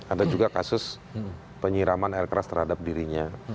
ada juga kasus penyiraman air keras terhadap dirinya